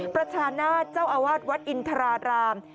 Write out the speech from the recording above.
ประชานาศเจ้าอาวาสวัดอินทราราม